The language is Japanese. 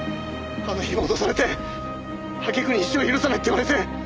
あの日も脅されて揚げ句に一生許さないって言われて。